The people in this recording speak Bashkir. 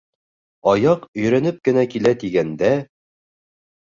— Аяҡ өйрәнеп кенә килә тигәндә...